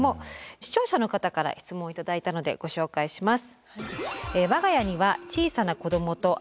視聴者の方から質問を頂いたのでご紹介します。